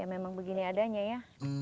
ya memang begini adanya ya